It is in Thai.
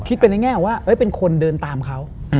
คิดเป็นแน่ว่าเป็นคนเดินตามเขา